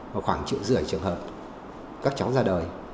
và khoảng triệu rưỡi trường hợp các cháu ra đời